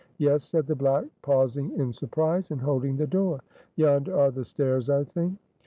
"Yes," said the black pausing in surprise, and holding the door. "Yonder are the stairs, I think?"